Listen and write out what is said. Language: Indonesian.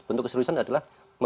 bentuk keseriusan adalah